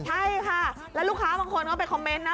ใช่ค่ะแล้วลูกค้าบางคนก็ไปคอมเมนต์นะ